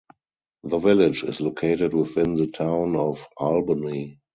The village is located within the Town of Albany.